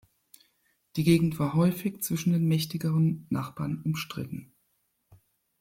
Die Gegend war häufig zwischen den mächtigeren Nachbarn umstritten.